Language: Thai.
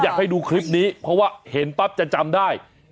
อยากให้ดูคลิปนี้เพราะว่าเห็นปั๊บจะจำได้